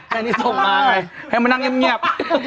อันนี้ส่งมาไงให้มานั่งเงียบ